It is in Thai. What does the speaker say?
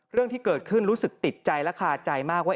เรื่องที่เกิดขึ้นรู้สึกติดใจและคาใจมากว่า